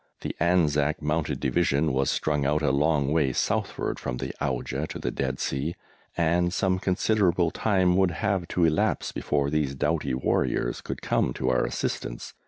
The Anzac Mounted Division was strung out a long way southward, from the Auja to the Dead Sea, and some considerable time would have to elapse before these doughty warriors could come to our assistance.